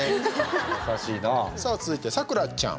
続いて、咲楽ちゃん。